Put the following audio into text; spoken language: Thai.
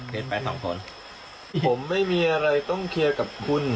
เห็นแฟนสองคนผมไม่มีอะไรต้องเคลียร์กับคุณ